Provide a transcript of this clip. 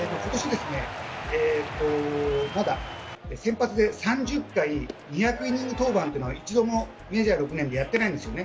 今年、まだ先発で３０回、２００イニング登板は一度もメジャー６年でやってないんです。